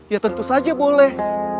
ya tentu saja boleh